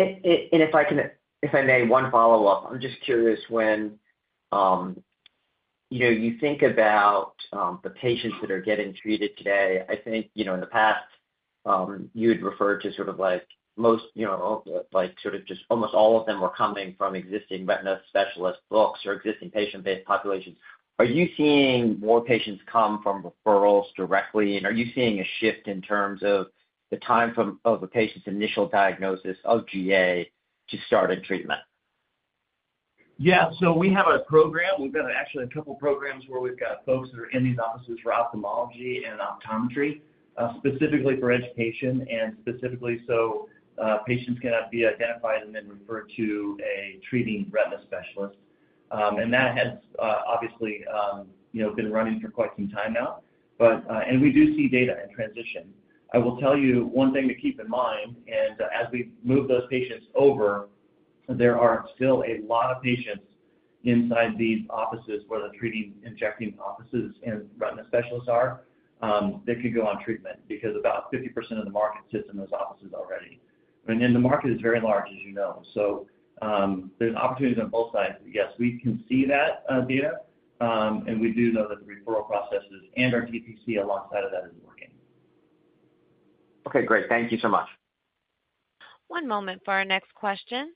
Q: If I may, one follow up. I'm just curious when you think about the patients that are getting treated today, I think in the past you had referred to sort of like most, almost all of them were coming from existing retina specialist books or existing patient-based populations. Are you seeing more patients come from referrals directly and are you seeing a shift in terms of the time of a patient's initial diagnosis of GA to start a treatment?
F: We have a program, we've got actually a couple programs where we've got folks that are in these offices for ophthalmology and optometry, specifically for education and specifically so patients can be identified and then referred to a treating retina specialist. That has obviously been running for quite some time now. We do see data in transition. I will tell you one thing to keep in mind as we move those patients over. There are still a lot of patients inside these offices where the treating injecting offices and retina specialists are that could go on treatment because about 50% of the market sits in those offices already. The market is very large, as you know, so there's opportunities on both sides. Yes, we can see that data and we do know that the referral processes and our TTC alongside of that is working.
Q: Okay, great. Thank you so much.
A: One moment for our next question,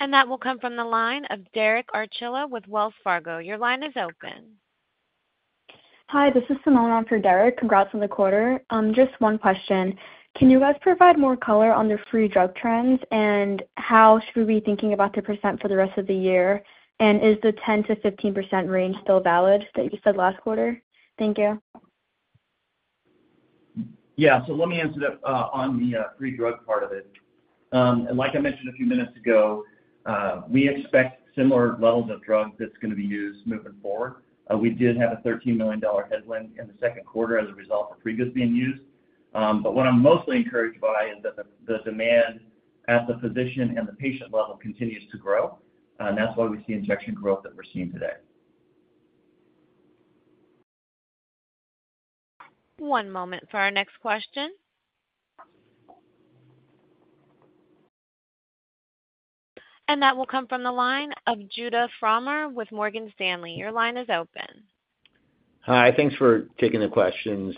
A: and that will come from the line of Derek Archilla with Wells Fargo. Your line is open. Hi, this is Simone on for Derek. Congrats on the quarter. Just one question. Can you guys provide more color on the free goods usage trends and how should we be thinking about the % for the rest of the year, and is the 10%-15% range still valid that you said last quarter? Thank you.
F: Let me answer that on the free goods usage part of it. Like I mentioned a few minutes ago, we expect similar levels of drug that's going to be used moving forward. We did have a $13 million headwind in the second quarter as a result of previous free goods being used. What I'm mostly encouraged by is that the demand at the physician and the patient level continues to grow, and that's why we see injection growth that we're seeing today.
A: One moment for our next question. That will come from the line of Judah Frommer with Morgan Stanley. Your line is open.
R: Hi, thanks for taking the questions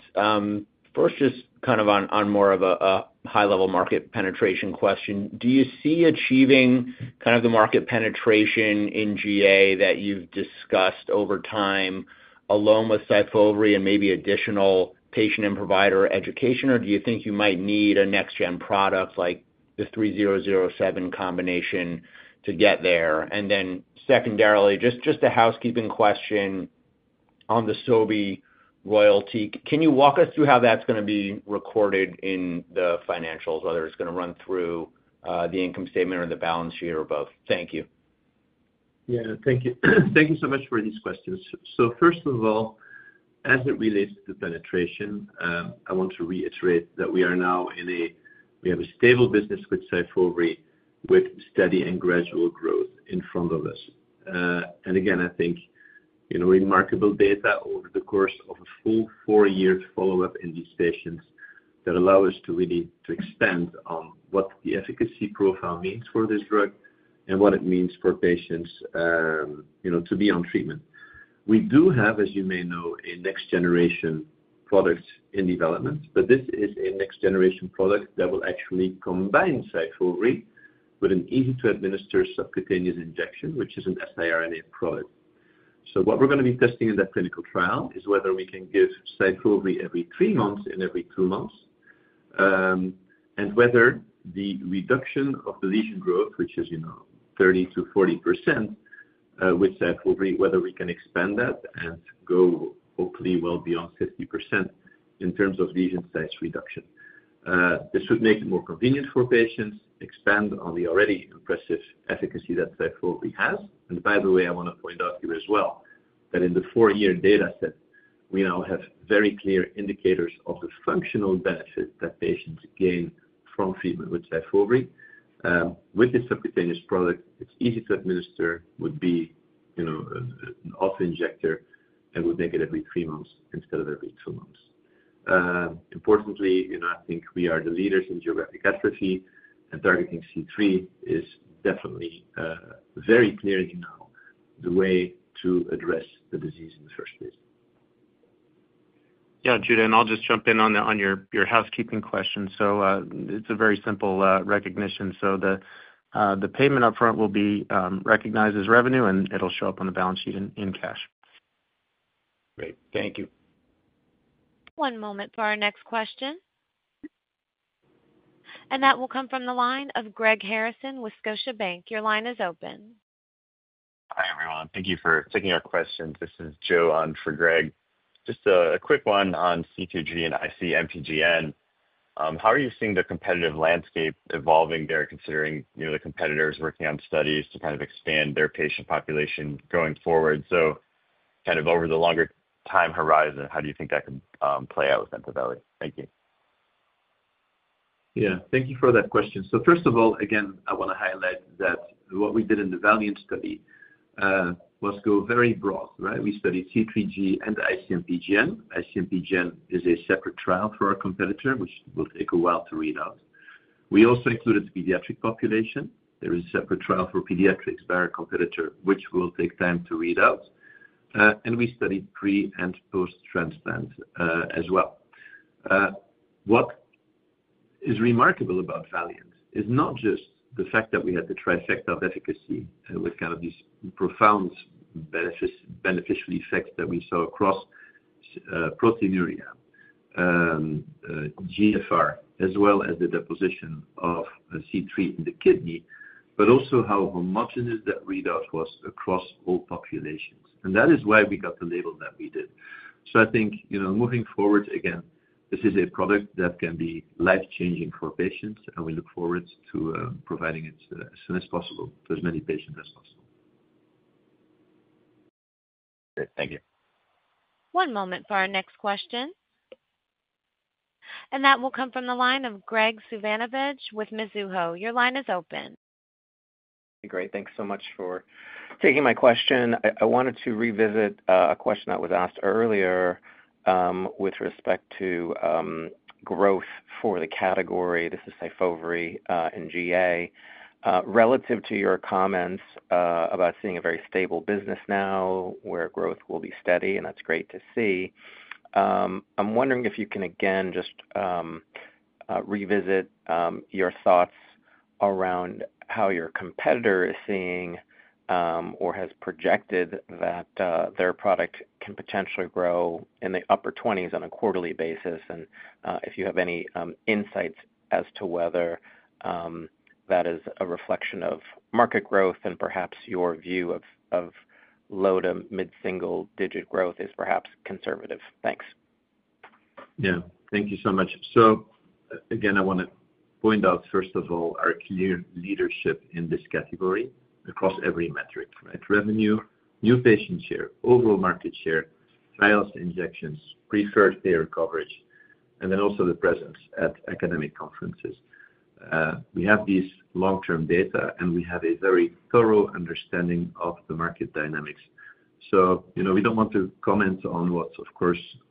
R: first. Just kind of on more of a. High level market penetration question, do you. See achieving kind of the market penetration in GA that you've discussed over time along with SYFOVRE and maybe additional patient and provider education? Or do you think you might need a next gen product like the three zero zero seven. Combination to get there? Secondarily, just a housekeeping question on the Sobi royalty. Can you walk us through how that's? Going to be recorded in the financials. Whether it's going to run through the income statement or the balance sheet or both.
C: Yes, thank you. Thank you so much for these questions. First of all, as it relates to penetration, I want to reiterate that we are now in a stable business with SYFOVRE with steady and gradual growth in front of us. Again, I think remarkable data over the course of a full four years follow-up in these patients allow us to really expand on what the efficacy profile means for this drug and what it means for patients to be on treatment. We do have, as you may know, a next generation product in development, but this is a next generation product that will actually combine SYFOVRE with an easy to administer subcutaneous injection, which is an siRNA product. What we're going to be testing in that clinical trial is whether we can give SYFOVRE every three months and every two months and whether the reduction of the lesion growth, which is, you know, 30%-40% with SYFOVRE, whether we can expand that and go hopefully well beyond 50% in terms of lesion size reduction. This would make it more convenient for patients and expand on the already impressive efficacy that SYFOVRE has. By the way, I want to point out here as well that in the four-year data set we now have very clear indicators of the functional benefit that patients gain from feedback with SYFOVRE. With this subcutaneous product, it's easy to administer, would be off injector and would make it every three months instead of every two months. Importantly, I think we are the leaders in geographic atrophy and targeting C3 is definitely very clearly now the way to address the disease in the first place.
D: Yeah, Judah, I'll just jump in on your housekeeping question. It's a very simple recognition. The payment upfront will be recognized as revenue, and it'll show up on the balance sheet in cash.
R: Great, thank you.
A: One moment for our next question. That will come from the line of Greg Harrison, with Scotiabank. Your line is open. Hi everyone. Thank you for taking our questions. This is Joe on for Greg. Just a quick one on C3G and IC-MPGN. How are you seeing the competitive landscape evolving there considering the competitors working on studies to kind of expand their patient population going forward? Over the longer time. Horizon, how do you think that can. Play out with EMPAVELI?
C: Thank you. Thank you for that question. First of all, I want to highlight that what we did in the VALIANT study was go very broad. We studied C3G and IC-MPGN. IC-MPGN is a separate trial for our competitor. Which will take a while to read out. We also included the pediatric population. There is a separate trial for pediatrics by our competitor, which will take time to read out. We studied pre- and post-transplant as well. What is remarkable about VALIANT is not just the fact that we had the trifecta of efficacy with these profound beneficial effects that we saw across proteinuria, GFR, as well as the deposition of C3 in the kidney, but also how homogeneous that readout was across all populations. That is why we got the label that we did. I think moving forward, this is a product that can be life changing for patients, and we look forward to providing it as soon as possible to as many patients as possible. Thank you.
A: One moment for our next question. That will come from the line of Graig Suvannavejh with Mizuho. Your line is open.
S: Great. Thanks so much for taking my question. I wanted to revisit a question that was asked earlier with respect to growth for the category. This is SYFOVRE and GA. Relative to your comments about seeing a. Very stable business now where growth will be steady, and that's great to see. I'm wondering if you can again just. Revisit your thoughts around how your competitor. Is seeing or has projected that their product can potentially grow in the upper 20s on a quarterly basis. Do you have any insights as to whether that is a reflection of this? Market growth and perhaps your view of. Low to mid single digit growth is perhaps conservative. Thanks.
C: Thank you so much. I want to point out first of all our clear leadership in this category across every metric: revenue, new patient share, overall market share, trials, injections, preferred payer coverage, and also the presence at academic conferences. We have these long-term data and we have a very thorough understanding of the market dynamics. We don't want to comment on what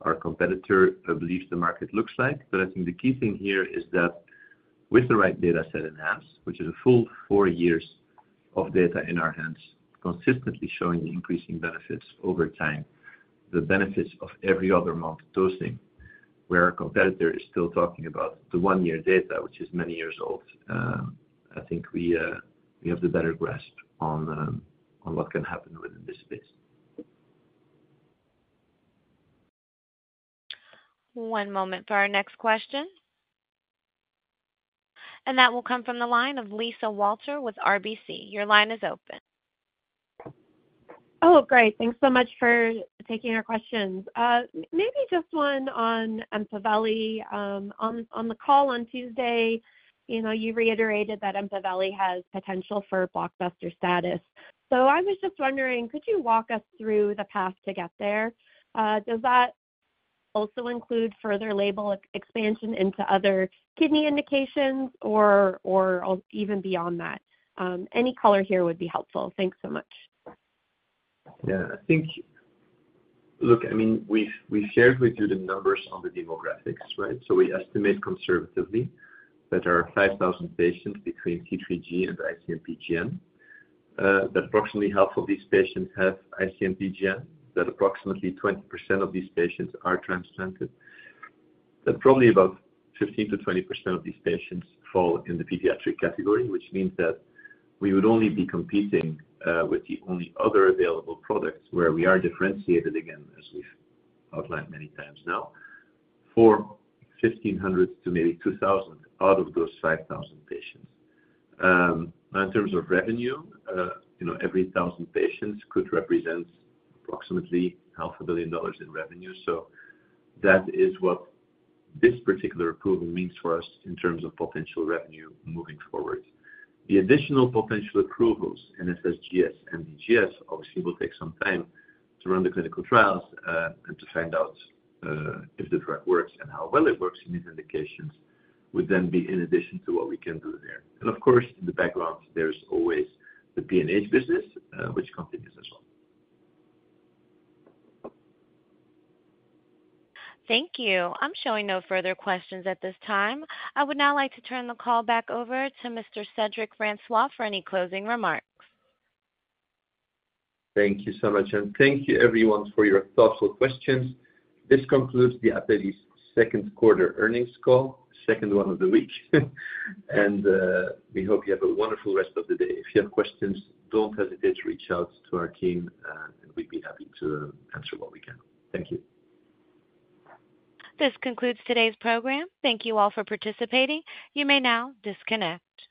C: our competitor believes the market looks like. I think the key thing here is that with the right data set in our hands, which is a full four years of data in our hands consistently showing increasing benefits over time, the benefits of every other month dosing, where our competitor is still talking about the one-year data, which is many years old, I think we have the better grasp on what can happen within this space.
A: One moment for our next question. That will come from the line of Lisa Walter with RBC. Your line is open.
T: Oh, great. Thanks so much for taking our questions. Maybe just one. On. The call on Tuesday, you reiterated that EMPAVELI has potential for blockbuster status. I was just wondering, could you walk us through the path to get there? Does that also include further label expansion into other kidney indications? Even beyond that, any color here would be helpful. Thanks so much.
C: I think, look, I mean we shared with you the numbers on the demographics, right? We estimate conservatively that there are 5,000 patients between C3G and IC-MPGN, that approximately half of these patients have IC-MPGN, that approximately 20% of these patients are transplanted, that probably about 15%-20% of these patients fall in the pediatric category, which means that we would only be competing with the only other available products. Where we are differentiated, again, as we've outlined many times now. For 1,500 to maybe 2,000 out of those 5,000 patients in terms of revenue, you know, every 1,000 patients could represent approximately $500 million in revenue. That is what this particular approval means for us in terms of potential revenue moving forward. The additional potential approvals, in FSGS and GS, obviously will take some time to run the clinical trials and to find out if the drug works and how well it works in these indications, which would then be in addition to what we can do there. Of course, in the background there's always the PNH business, which continues as well.
A: Thank you. I'm showing no further questions at this time. I would now like to turn the call back over to Mr. Cedric Francois for any closing remarks.
C: Thank you so much, and thank you everyone for your thoughtful questions. This concludes the Apellis second quarter earnings call, second one of the week. We hope you have a wonderful rest of the day. If you have questions, don't hesitate to reach out to our team, and we'd be happy to answer what we can. Thank you.
A: This concludes today's program. Thank you all for participating. You may now disconnect.